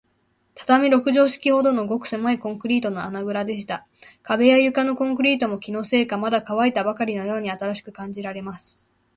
畳六畳敷きほどの、ごくせまいコンクリートの穴ぐらでした。壁や床のコンクリートも、気のせいか、まだかわいたばかりのように新しく感じられます。